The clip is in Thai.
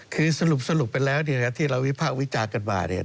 คือสรุปเป็นแล้วที่เราวิภาควิจารณ์กันมา